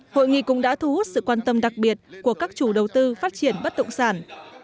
hội nghị cũng đã thu hút sự quan tâm đặc biệt của các chủ đầu tư phát triển bất động sản